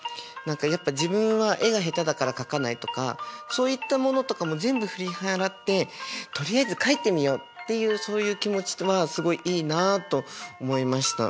やっぱ自分は絵が下手だから描かないとかそういったものとかも全部振り払ってとりあえず描いてみようっていうそういう気持ちはすごいいいなと思いました。